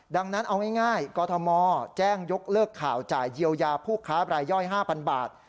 ดังนั้นเอาง่ายกรทมแจ้งยกเลิกข่าวจ่ายเยียวยาผู้ค้าบรายย่อย๕๐๐บาท